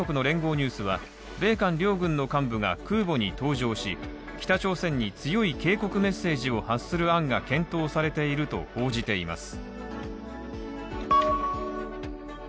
ニュースは米韓両軍の幹部が空母に搭乗し北朝鮮に強い警告メッセージを発する案が検討されていると報じています。